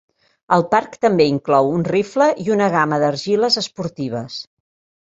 El parc també inclou un rifle i una gamma d'argiles esportives.